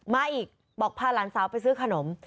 มาอีกบอกพาหลานสาวไปซื้อขนม